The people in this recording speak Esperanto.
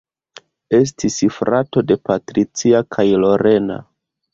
Estis frato de Patricia kaj Lorena.